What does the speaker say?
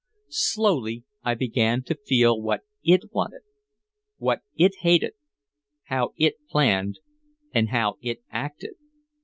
Slowly I began to feel what It wanted, what It hated, how It planned and how It acted.